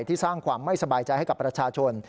สร้างความไม่สบายใจให้กับประชาชน